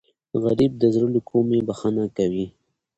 غریب د زړه له کومې بښنه کوي